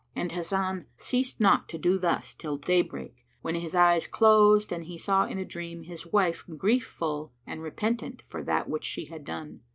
And Hasan ceased not to do thus till daybreak, when his eyes closed and he saw in a dream his wife grief full and repentant for that which she had done.